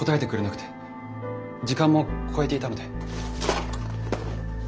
時間も超えていたので。